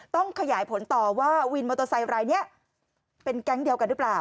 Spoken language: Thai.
ต้องขยายผลต่อว่าวินมอเตอร์ไซค์รายนี้เป็นแก๊งเดียวกันหรือเปล่า